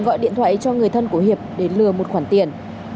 gọi điện thoại cho người thân của hiệp để lừa một khoản tiền